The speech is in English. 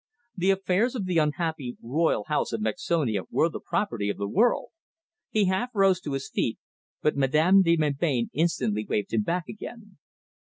The affairs of the unhappy Royal House of Mexonia were the property of the world. He half rose to his feet, but Madame de Melbain instantly waved him back again.